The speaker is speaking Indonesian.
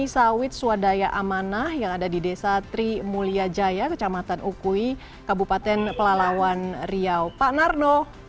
sawit swadaya amanah yang ada di desa tri mulia jaya kecamatan ukui kabupaten pelalawan riau pak narno